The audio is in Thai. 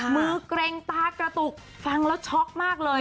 เกร็งตากระตุกฟังแล้วช็อกมากเลย